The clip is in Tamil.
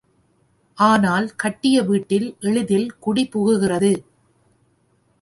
ஆனால் கட்டிய வீட்டில் எளிதில் குடி புகுகிறது.